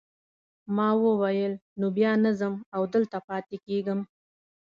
ما وویل نو بیا نه ځم او دلته پاتې کیږم.